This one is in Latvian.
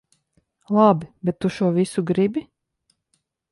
Labi, bet tu šo visu gribi?